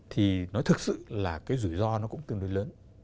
thì nó thực sự là cái rủi ro nó cũng tương đối lớn